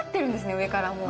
上からもう。